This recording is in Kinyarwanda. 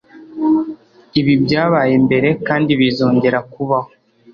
Ibi byabaye mbere kandi bizongera kubaho.